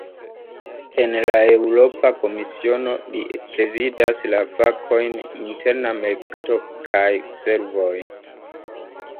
En la Eŭropa Komisiono, li prezidas la fakojn "interna merkato kaj servoj".